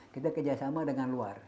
kita kerjasama dengan luar